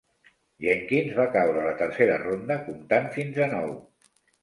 Jenkins va caure a la tercera ronda comptant fins a nou.